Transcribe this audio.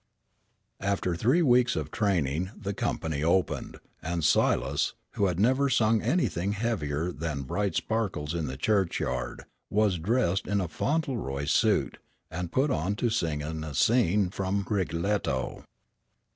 After three weeks of training, the company opened, and Silas, who had never sung anything heavier than "Bright Sparkles in the Churchyard," was dressed in a Fauntleroy suit, and put on to sing in a scene from "Rigoletto."